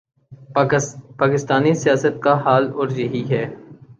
پاکستانی سیاست کا حال اور یہی ہے۔